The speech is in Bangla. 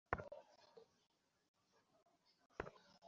এদিকে, প্লিজ।